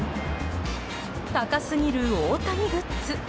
高すぎる大谷グッズ。